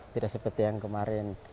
tidak seperti yang kemarin